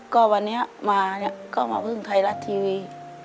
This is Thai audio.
ก็วันนี้มาเนี่ยก็มาพึ่งไทยรัฐทีวี